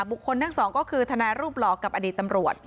ทั้งสองก็คือทนายรูปหลอกกับอดีตตำรวจ